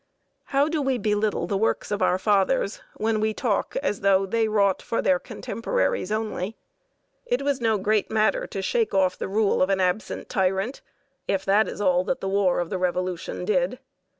How do we belittle the works of our Fathers when we talk as though they wrought for their contemporaries only! It was no great matter to shake off the rule of an absent tyrant, if that is all that the War of the Revolution did.